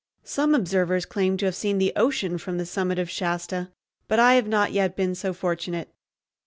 Some observers claim to have seen the ocean from the summit of Shasta, but I have not yet been so fortunate.